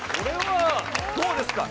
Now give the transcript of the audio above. どうですか。